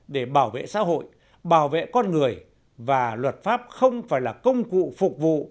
để bảo vệ xã hội bảo vệ con người và luật pháp không phải là công cụ phục vụ